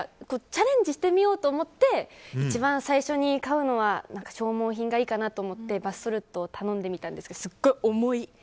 チャレンジしてみようと思って一番最初に買うのは消耗品がいいかなと思ってバスソルトを頼んでみたんですけどすごい重い。